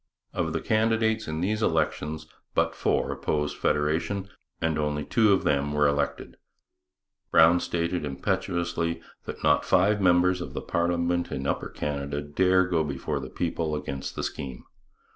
Of the candidates in these elections but four opposed federation and only two of them were elected. Brown stated impetuously that not five members of parliament in Upper Canada dare go before the people against the scheme.